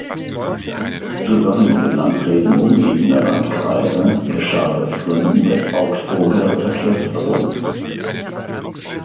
Zusammen mit den Landräten umliegender Landkreise geschah das Gründen des Augsburger Verkehrsverbunds.